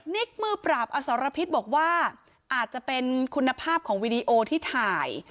กมือปราบอสรพิษบอกว่าอาจจะเป็นคุณภาพของวีดีโอที่ถ่าย